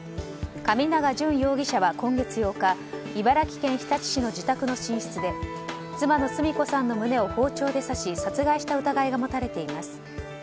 神長順容疑者は今月８日茨城県日立市の自宅の寝室で妻のスミ子さんの胸を包丁で刺し殺害した疑いが持たれています。